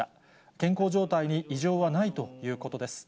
健康状態に異常はないということです。